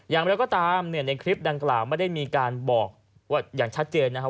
อย่างนั้นก็ตามในคลิปดังกล่าวไม่ได้มีการบอกอย่างชัดเจนนะครับ